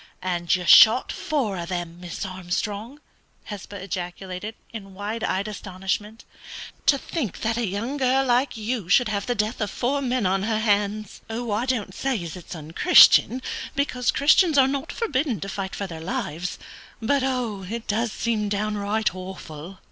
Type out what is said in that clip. "And you shot four of them, Miss Armstrong!" Hesba ejaculated, in wide eyed astonishment. "To think that a young girl like you should have the death of four men on her hands! I don't say as it's unchristian, because Christians are not forbidden to fight for their lives, but it does seem downright awful!"